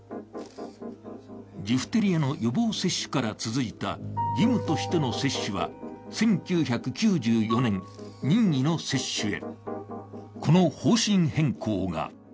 ジフテリアの予防接種から続いた義務としての接種は１９９４年、任意の接種へ。